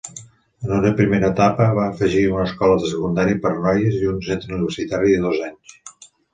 En una primera etapa, va afegir una escola de secundària per a noies i un centre universitari de dos anys.